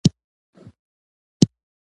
تر لمانځه وروسته هدیرې ته ولاړم.